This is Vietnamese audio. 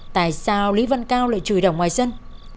tại sao lý văn cao lại chửi đồng ngoài sân